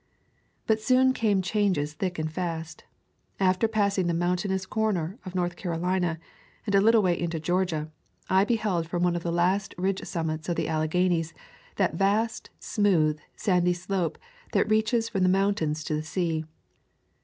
But soon came changes thick and fast. After passing the mountainous corner of North Car olina and a little way into Georgia, I beheld from one of the last ridge summits of the Alle ghanies that vast, smooth, sandy slope that reaches from the mountains to the sea.